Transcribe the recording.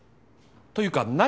というか何？